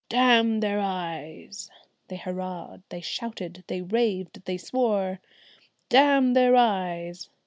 "Damn their eyes!" they hurrahed, they shouted, they raved, they swore. "Damn their eyes!"